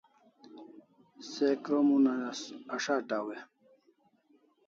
Se krom una as'atau